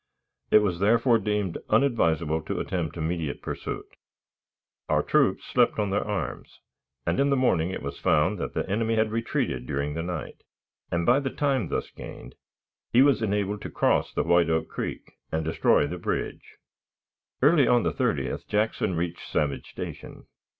It was therefore deemed unadvisable to attempt immediate pursuit. Our troops slept upon their arms, and in the morning it was found that the enemy had retreated during the night, and, by the time thus gained, he was enabled to cross the White Oak Creek, and destroy the bridge. Early on the 30th Jackson reached Savage Station.